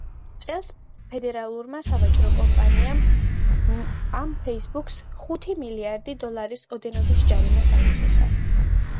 წელს ფედერალურმა სავაჭრო კომისიამ ამ „ფეისბუქს“ ხუთი მილიარდი დოლარის ოდენობის ჯარიმა დაუწესა.